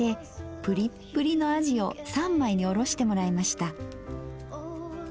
プリップリのあじを三枚におろしてもらいました。